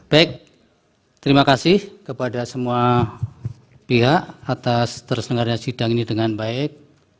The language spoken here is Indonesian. baik terima kasih kepada semua pihak atas terselenggarnya sidang ini dengan baik